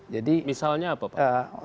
misalnya apa pak